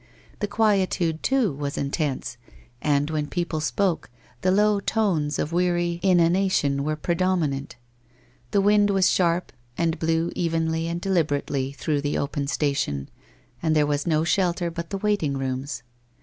The quietude too was intense, and when people spoke, the low tones of weary 229 2S0 WHITE ROSE OF WEARY LEAF inanition were predominant. The wind was sharp, and blew evenly and deliberately through the open station, where there was no shelter but the waiting rooms.